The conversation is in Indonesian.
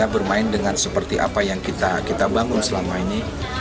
bermain dengan seperti apa yang kita bangun selama ini